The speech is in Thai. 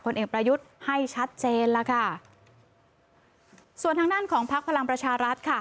เอกประยุทธ์ให้ชัดเจนแล้วค่ะส่วนทางด้านของพักพลังประชารัฐค่ะ